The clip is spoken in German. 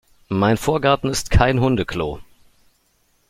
Mein Vorgarten ist kein Hundeklo!